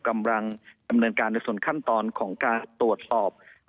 กำลังดำเนินการในส่วนขั้นตอนของการตรวจสอบ